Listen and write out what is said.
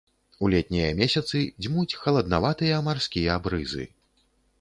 У летнія месяцы дзьмуць халаднаватыя марскія брызы.